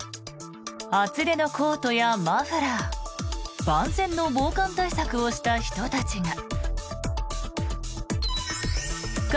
厚手のコートやマフラー万全の防寒対策をした人たちが。